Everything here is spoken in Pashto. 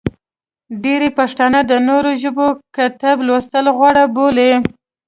ډېری پښتانه د نورو ژبو کتب لوستل غوره بولي.